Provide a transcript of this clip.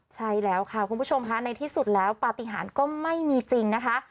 ใช่แล้วค่ะคุณผู้ชมค่ะในที่สุดแล้วปฏิหารก็ไม่มีจริงนะคะ